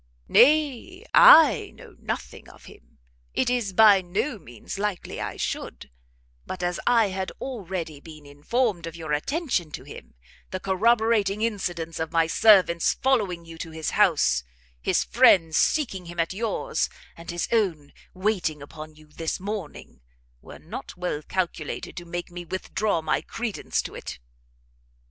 "Nay, I know nothing of him! it is by no means likely I should: but as I had already been informed of your attention to him, the corroborating incidents of my servant's following you to his house, his friend's seeking him at yours, and his own waiting upon you this morning; were not well calculated to make me withdraw my credence to it."